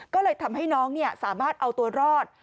ก็เลยทำให้น้องสามารถเอาตัวรอด